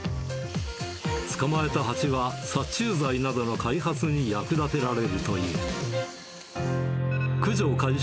捕まえたハチは、殺虫剤などの開発に役立てられるという。